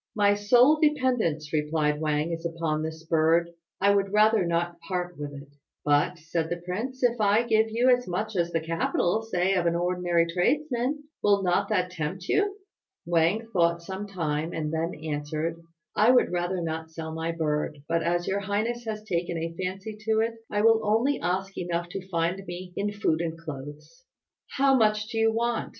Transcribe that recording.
"My sole dependence," replied Wang, "is upon this bird. I would rather not part with it." "But," said the prince, "if I give you as much as the capital, say of an ordinary tradesman, will not that tempt you?" Wang thought some time, and then answered, "I would rather not sell my bird; but as your highness has taken a fancy to it I will only ask enough to find me in food and clothes." "How much do you want?"